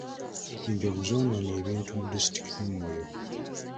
Enjovu zoonoonye ebintu mu disitulikiti y'e Moyo.